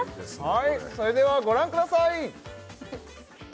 はいそれではご覧ください